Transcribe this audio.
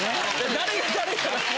誰が誰やら。